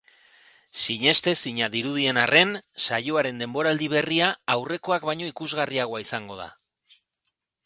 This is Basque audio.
Sinestezina dirudien arren, saioaren denboraldi berria aurrekoak baino ikusgarriagoa izango da.